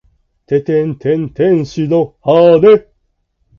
ててんてん天使の羽！